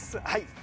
はい。